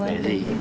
cảm ơn cảm ơn